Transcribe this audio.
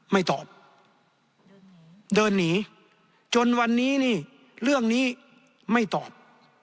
ไม่ตอบเดินหนีจนวันนี้นี่เรื่องนี้ไม่ตอบ